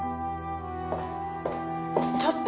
ちょっと。